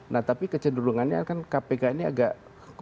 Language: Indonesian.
nah tapi kecenderungannya kan kpk ini agak